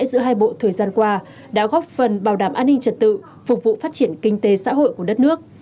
giữa hai bộ thời gian qua đã góp phần bảo đảm an ninh trật tự phục vụ phát triển kinh tế xã hội của đất nước